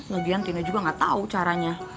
lagian tina juga nggak tau caranya